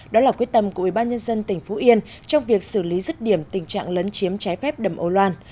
đó là quyết tâm của ủy ban nhân dân tỉnh phú yên trong việc xử lý rứt điểm tình trạng lấn chiếm trái phép đầm âu loan